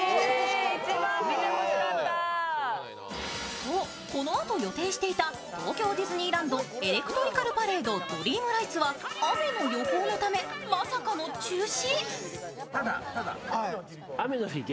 そう、このあと予定していた東京ディズニーランドエレクトリカルパレード・ドリームライツは雨の予報のため、まさかの中止。